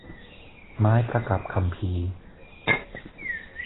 ไม้ประกับคัมภีร์